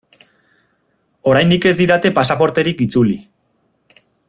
Oraindik ez didate pasaporterik itzuli.